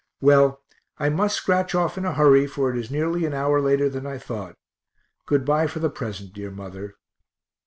Well, I must scratch off in a hurry, for it is nearly an hour [later] than I thought. Good bye for the present, dear mother.